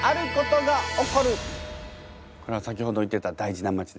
これは先ほど言ってた大事な街ですね。